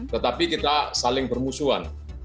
tetapi kita saling bermusuhan